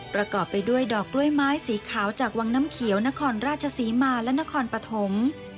ประกอบไปด้วยดอกกล้วยไม้สีขาวจากวังน้ำเขียวนครราชศรีมาและนครปฐม